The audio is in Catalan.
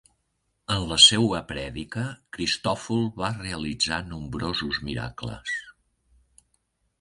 En la seua prèdica, Cristòfol va realitzar nombrosos miracles.